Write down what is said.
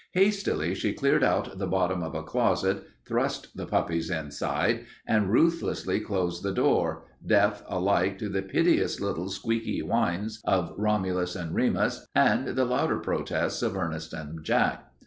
Hastily she cleared out the bottom of a closet, thrust the puppies inside, and ruthlessly closed the door, deaf alike to the piteous little squeaky whines of Romulus and Remus and the louder protests of Ernest and Jack.